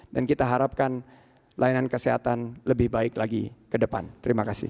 dan kita harapkan layanan kesehatan lebih baik lagi ke depan terima kasih